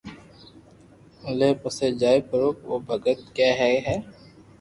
لي پسي جائي پرو او ڀگت ڪي ڪي ھي